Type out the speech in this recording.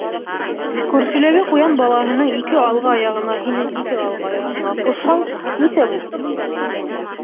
— Күршеләге ҡуян балаһынып ике алғы аяғына һинең ике алғы аяғыңа ҡушһаң, нисә була?